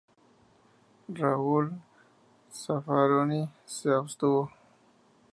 Raúl Zaffaroni se abstuvo.